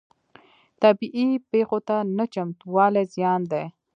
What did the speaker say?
طبیعي پیښو ته نه چمتووالی زیان دی.